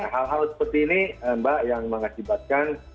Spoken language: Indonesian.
hal hal seperti ini mbak yang mengakibatkan